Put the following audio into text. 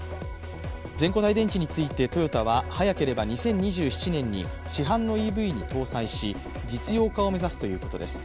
全固体電池についてトヨタは早ければ２０２７年に市販のＥＶに搭載し実用化を目指すということです。